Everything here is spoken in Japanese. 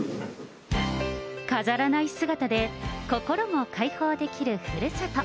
飾らない姿で、心も開放できるふるさと。